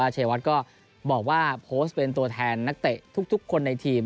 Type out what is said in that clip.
ชัยวัดก็บอกว่าโพสต์เป็นตัวแทนนักเตะทุกคนในทีม